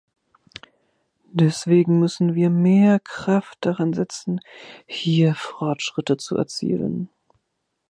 Deswegen müssen wir mehr Kraft daran setzen, hier Fortschritte zu erzielen.